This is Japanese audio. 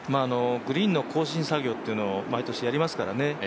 グリーンの更新作業というのを毎年やりますからね。